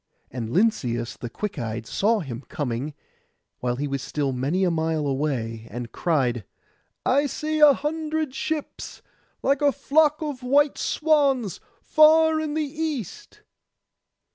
And Lynceus the quick eyed saw him coming, while he was still many a mile away, and cried, 'I see a hundred ships, like a flock of white swans, far in the east.